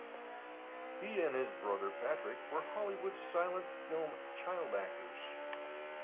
He and his brother Patrick were Hollywood silent film child actors.